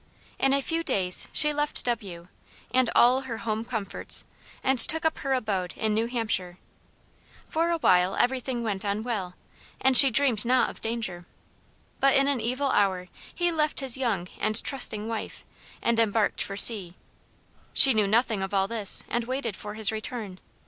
In a few days she left W , and ALL her home comforts, and took up her abode in New Hampshire. For a while everything went on well, and she dreamed not of danger; but in an evil hour he left his young and trusting wife, and embarked for sea. She knew nothing of all this, and waited for his return.